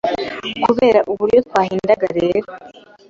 Kubera uburyo twahendaga rero